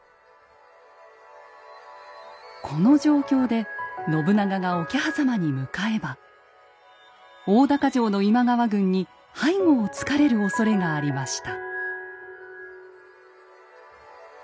この状況で信長が桶狭間に向かえば大高城の今川軍に背後をつかれるおそれがありました。